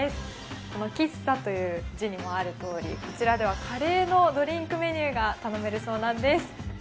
この喫茶という字にもあるように、こちらではカレーのドリンクメニューが頼めるそうなんです。